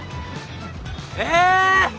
え！？